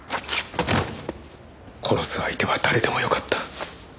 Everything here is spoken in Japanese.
殺す相手は誰でもよかった。